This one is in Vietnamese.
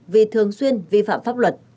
vì thường xuyên vi phạm pháp luật